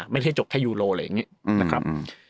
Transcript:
ไม่ใช่จบแค่ยูโรอะไรอย่างนี้นะครับ